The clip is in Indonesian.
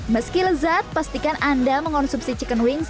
meski lezat pastikan anda mengonsumsi chicken wings